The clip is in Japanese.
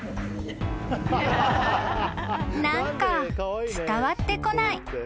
［何か伝わってこない］